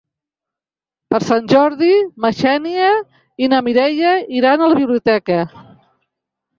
Per Sant Jordi na Xènia i na Mireia iran a la biblioteca.